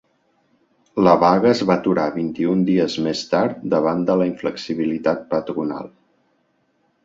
La vaga es va aturar vint-i-un dies més tard davant de la inflexibilitat patronal.